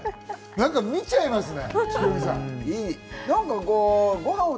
見ちゃいますね。